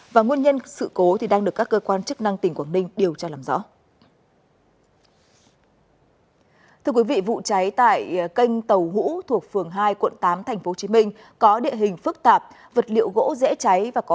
và nguyên nhân sự cố đang được các cơ quan chức năng tỉnh quảng ninh điều tra làm rõ